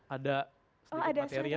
ada sedikit materi ya